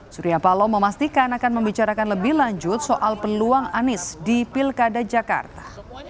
surya paloh memastikan akan membicarakan lebih lanjut soal peluang anies di pilkada jakarta